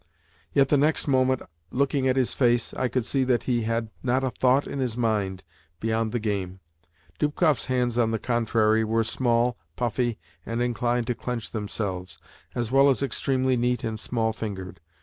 Yet the next moment, looking at his face, I could see that he had not a thought in his mind beyond the game. Dubkoff's hands, on the contrary, were small, puffy, and inclined to clench themselves, as well as extremely neat and small fingered.